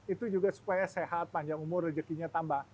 itu juga supaya sehat panjang umur rezekinya tambah